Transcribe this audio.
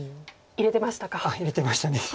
入れてました。